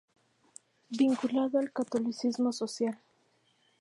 Vinculado al catolicismo social.